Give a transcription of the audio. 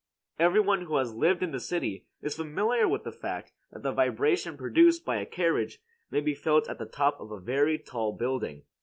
Every one who has lived in the city is familiar with the fact that the vibration produced by a carriage may be felt at the top of a very tall building.